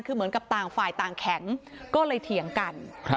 คือเหมือนกับต่างฝ่ายต่างแข็งก็เลยเถียงกัน